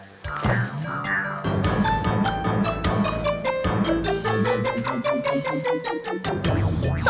gila gak sih